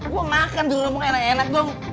gue makan dulu mau enak enak dong